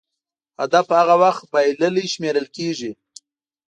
هدف هغه وخت بایللی شمېرل کېږي.